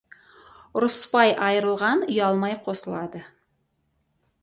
ұрыспай айырылған, ұялмай қосылады.